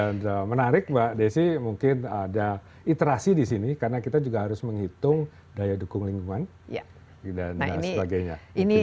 ya menarik mbak desi mungkin ada literasi di sini karena kita juga harus menghitung daya dukung lingkungan dan sebagainya